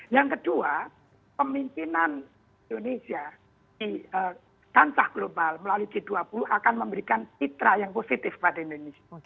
yang kedua pemimpinan indonesia di kanca g dua puluh akan memberikan titra yang positif pada indonesia